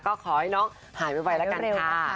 ก็ขอให้น้องหายไวแล้วกันค่ะ